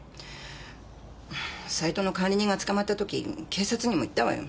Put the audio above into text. サイトの管理人が捕まった時警察にも言ったわよ。